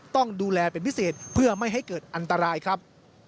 ต้องดูแลเป็นพิเศษเพื่อไม่ให้เกิดอันตรายครับ